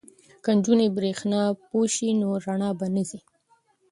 که نجونې بریښنا پوهې شي نو رڼا به نه ځي.